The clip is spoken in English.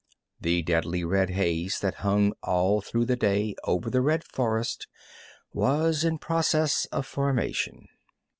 The deadly red haze that hung all through the day over the red forest was in process of formation.